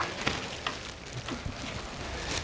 oke kata ibunya lebihin dikit nggak apa apa